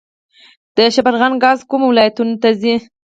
د شبرغان ګاز کومو ولایتونو ته ځي؟